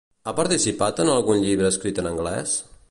Ha participat en algun llibre escrit en anglès?